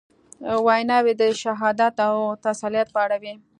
ویناوي د شهادت او تسلیت په اړه وې.